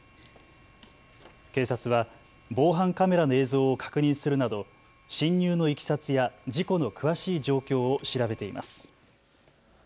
警察は防犯カメラの映像を確認するなど進入のいきさつや事故の詳しい状況を調べています。